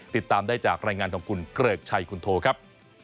ติดตามได้จากรายงานของคุณเกริกชัยคุณโทครับ